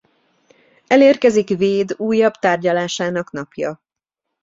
Elérkezik Wade újabb tárgyalásának napja.